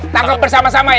tangkap bersama sama ya